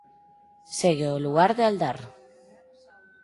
Segue o lugar de Aldar.